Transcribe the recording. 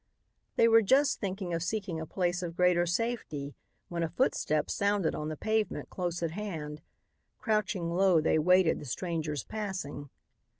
They were just thinking of seeking a place of greater safety when a footstep sounded on the pavement close at hand. Crouching low they waited the stranger's passing.